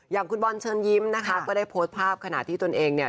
อย่างคุณบอลเชิญยิ้มนะคะก็ได้โพสต์ภาพขณะที่ตนเองเนี่ย